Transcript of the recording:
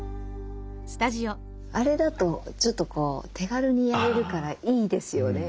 あれだとちょっと手軽にやれるからいいですよね。